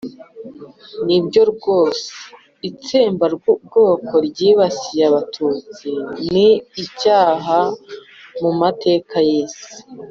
nibyo rwose itsembabwoko ryibasiye abatutsi ni icyasha mumateka y'isi.